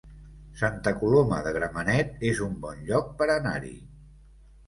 Santa Coloma de Gramenet es un bon lloc per anar-hi